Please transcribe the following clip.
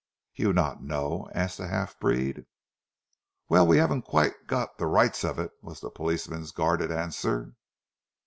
"You not know?" asked the half breed. "Well, we haven't quite got the rights of it," was the policeman's guarded answer.